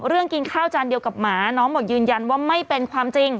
กินข้าวจานเดียวกับหมาน้องบอกยืนยันว่าไม่เป็นความจริง